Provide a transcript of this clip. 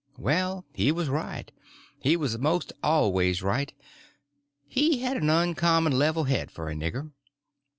Well, he was right; he was most always right; he had an uncommon level head for a nigger.